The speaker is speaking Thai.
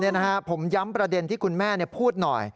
ผมย้ำประเด็นที่คุณแม่พูดหน่อย